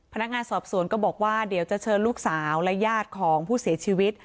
พนักงานสอบสวนก็บอกว่าเดี๋ยวจะเชิญลูกสาวและญาติของผู้เสียชีวิต